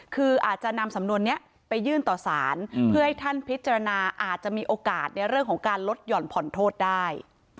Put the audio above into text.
คืออาจจะนำสำนวนนี้ไปยื่นต่อสารเพื่อให้ท่านพิจารณาอาจจะมีโอกาสในเรื่องของการลดหย่อนผ่อนโทษได้